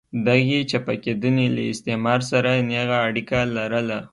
دغې چپه کېدنې له استعمار سره نېغه اړیکه لرله.